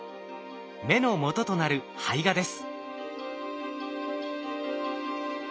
芽のもととなる胚芽です。